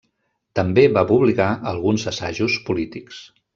També va publicar alguns assajos polítics.